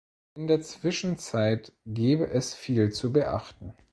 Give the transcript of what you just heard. In der Zwischenzeit gebe es viel zu beachten.